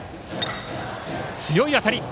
強い当たり！